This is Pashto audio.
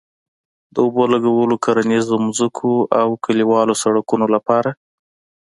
د اوبه لګولو، کرنيزو ځمکو او کلیوالو سړکونو لپاره